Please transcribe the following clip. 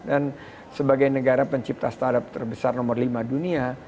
dan sebagai negara pencipta startup terbesar nomor lima dunia